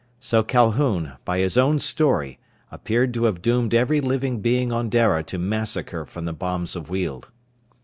So Calhoun, by his own story, appeared to have doomed every living being on Dara to massacre from the bombs of Weald.